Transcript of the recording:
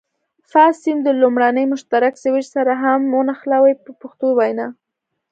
فاز سیم د لومړني مشترک سویچ سره هم ونښلوئ په پښتو وینا.